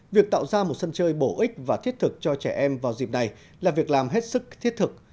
việc tạo ra một sân chơi bổ ích và thiết thực cho trẻ em vào dịp này là việc làm hết sức thiết thực